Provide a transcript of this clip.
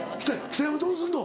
北山どうすんの？